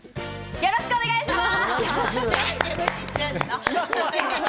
よろしくお願いします。